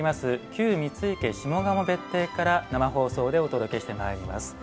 旧三井家下鴨別邸から生放送でお届けしてまいります。